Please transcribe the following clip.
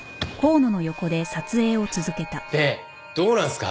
でどうなんすか？